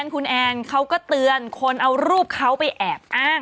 คุณแอนเขาก็เตือนคนเอารูปเขาไปแอบอ้าง